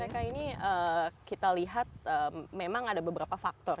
jadi mereka ini kita lihat memang ada beberapa faktor